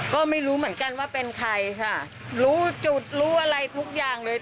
ก็ไม่รู้เหมือนกันว่าเป็นใครค่ะรู้จุดรู้อะไรทุกอย่างเลย